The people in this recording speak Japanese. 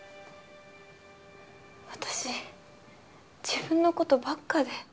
私自分のことばっかで。